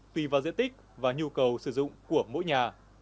tùy vào diện tích và nhu cầu sử dụng của mỗi nhà